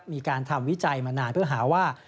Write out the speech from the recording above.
มีการทำวิจัยมานานเพื่อหาว่า